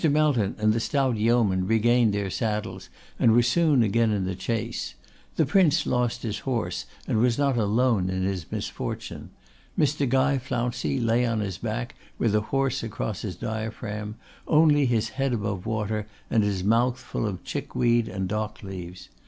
Melton and the stout yeoman regained their saddles and were soon again in chase. The Prince lost his horse, and was not alone in his misfortune. Mr. Guy Flouncey lay on his back with a horse across his diaphragm; only his head above the water, and his mouth full of chickweed and dockleaves.